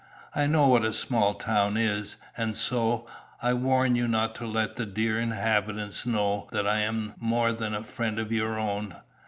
I know what a small town is, and so, I warn you not to let the dear inhabitants know that I am more than a friend of your own.